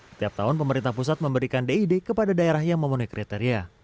setiap tahun pemerintah pusat memberikan did kepada daerah yang memenuhi kriteria